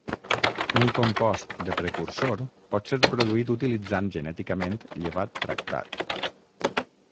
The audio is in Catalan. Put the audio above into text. Un compost de precursor pot ser produït utilitzant genèticament llevat tractat.